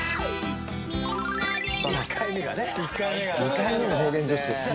２回目も方言女子でした。